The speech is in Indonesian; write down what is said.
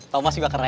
thomas juga keren